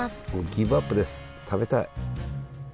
ギブアップです食べたい。